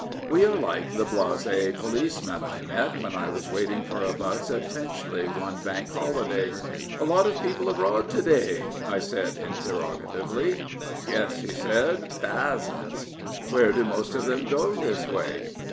We are like the blas^ policeman I met when I was waiting for a 'bus at Finchley one Bank Holiday. " A lot of people abroad to day? " I said interrogatively. " Yes," he said, " thahsands." " Where do most of them go this way